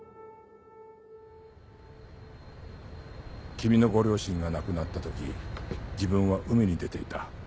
君のご両親が亡くなった時自分は海に出ていた。